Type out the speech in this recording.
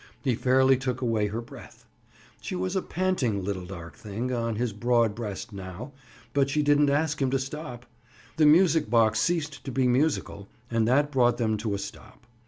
He fairly took away her breath. She was a panting little dark thing on his broad breast now, but she didn't ask him to stop. The music box ceased to be musical and that brought them to a stop.